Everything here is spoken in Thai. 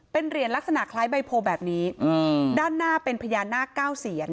เป็นเหรียญลักษณะคล้ายใบโพแบบนี้ด้านหน้าเป็นพญานาคเก้าเซียน